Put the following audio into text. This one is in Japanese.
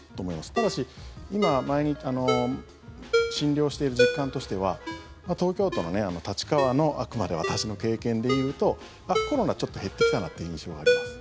ただし、今診療している実感としては東京都の立川のあくまで私の経験で言うとコロナちょっと減ってきたなという印象があります。